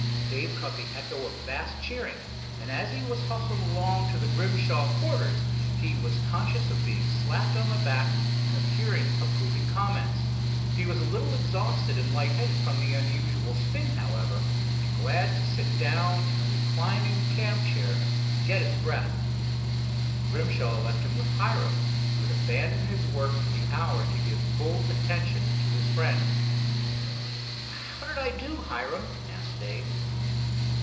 Dave caught the echo of vast cheering, and as he was hustled along to the Grimshaw quarters, he was conscious of being slapped on the back, of hearing approving comments. He was a little exhausted and light headed from the unusual spin, however, and glad to sit down in a reclining camp chair and get his breath. Grimshaw left him with Hiram, who had abandoned work for the hour to give full attention to his friend. "How did I do, Hiram?" asked Dave.